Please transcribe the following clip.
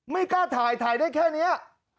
ไม่กล้าถ่ายถ่ายได้แค่นี้